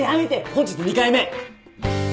本日２回目！